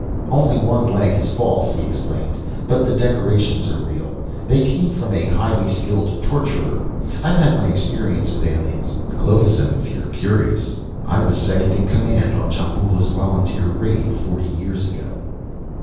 "Only one leg is false," he explained, "but the decorations are real. They came from a highly skilled torturer. I've had my experience with aliens. Clovisem, if you're curious. I was the second in command on Djamboula's volunteer raid, forty years ago."